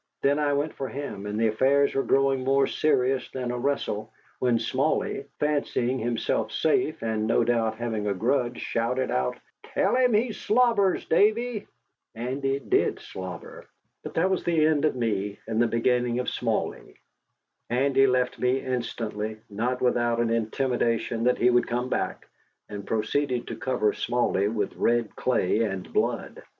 Then I went for him, and affairs were growing more serious than a wrestle, when Smally, fancying himself safe, and no doubt having a grudge, shouted out: "Tell him he slobbers, Davy." Andy did slobber. But that was the end of me, and the beginning of Smally. Andy left me instantly, not without an intimation that he would come back, and proceeded to cover Smally with red clay and blood.